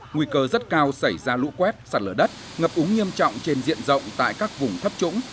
nguy cơ rất cao xảy ra lũ quét sạt lở đất ngập úng nghiêm trọng trên diện rộng tại các vùng thấp trũng